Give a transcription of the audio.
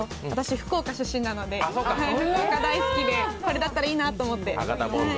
福岡出身なので福岡大好きなのでこれだったらいいなと思って。